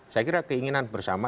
saya kira keinginan bersama